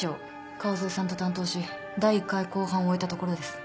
川添さんと担当し第１回公判を終えたところです。